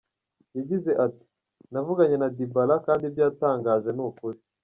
Yagize ati “Navuganye na Dybala kandi ibyo yatangaje ni ukuri.